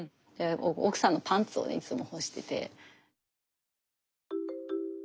奥さんのパンツをいつも干してて。